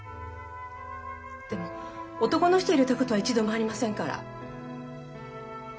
でも男の人を入れたことは一度もありませんから。